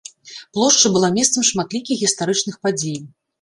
Плошча была месцам шматлікіх гістарычных падзей.